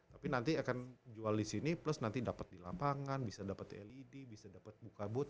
tapi nanti akan jual di sini plus nanti dapat di lapangan bisa dapat led bisa dapat buka booth